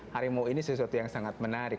harimau ini sesuatu yang sangat menarik